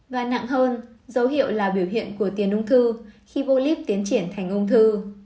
và nặng hơn dấu hiệu là biểu hiện của tiền ung thư khi bolip tiến triển thành ung thư